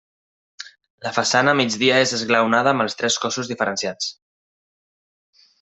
La façana a migdia és esglaonada amb els tres cossos diferenciats.